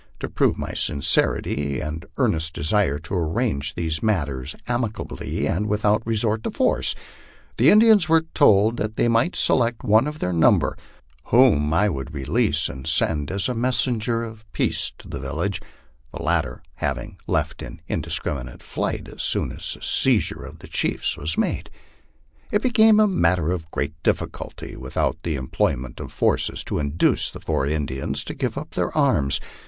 To prove my sincerity and earnest desire to arrange these matters ami cably, and without resort to force, the Indians were told they might select one of their number, whom I would release and send as a messenger of peace to the village, the latter having left in indiscriminate flight as soon as the seiz ure of the chiefs was made. It became a matter of great difficulty, without the employment of forces to induce the four Indians to give up their arms.